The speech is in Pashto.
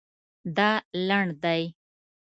دا لنډ دی